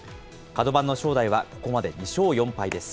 角番の正代はここまで２勝４敗です。